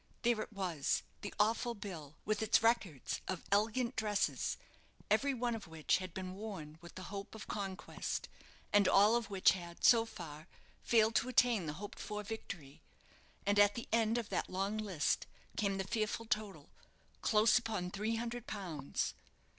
There it was, the awful bill, with its records of elegant dresses every one of which had been worn with the hope of conquest, and all of which had, so far, failed to attain the hoped for victory. And at the end of that long list came the fearful total close upon three hundred pounds!